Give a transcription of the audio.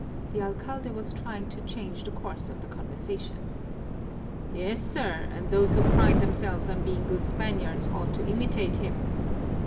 The alcalde was trying to change the course of the conversation. "Yes, sir, and those who pride themselves on being good Spaniards ought to imitate him.